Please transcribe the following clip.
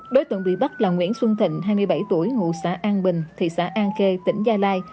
đối tượng bị bắt là nguyễn xuân thịnh hai mươi bảy tuổi ngụ xã an bình thị xã an khê tỉnh gia lai